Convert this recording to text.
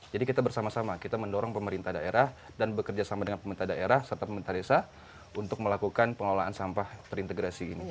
jadi kita bersama sama kita mendorong pemerintah daerah dan bekerja sama dengan pemerintah daerah serta pemerintah desa untuk melakukan pengelolaan sampah terintegrasi ini